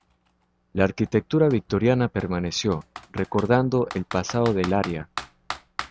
La arquitectura victoriana permaneció, recordando el pasado del área.